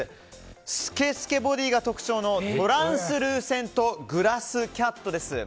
スケスケボディーが特徴のトランスルーセントグラスキャットです。